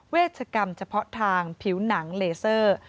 เวชกรรมเฉพาะทางผิวหนังเลเซอร์